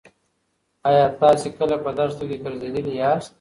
ایا تاسې کله په دښته کې ګرځېدلي یاست؟